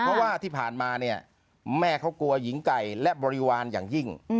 เพราะว่าที่ผ่านมาเนี่ยแม่เขากลัวหญิงไก่และบริวารอย่างยิ่ง